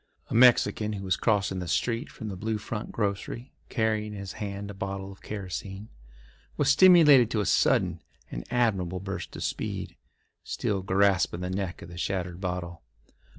A Mexican who was crossing the street from the Blue Front grocery carrying in his hand a bottle of kerosene, was stimulated to a sudden and admirable burst of speed, still grasping the neck of the shattered bottle.